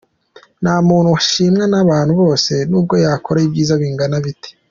Nta muntu washimwa n’abantu bose nubwo yakora ibyiza bingana bite.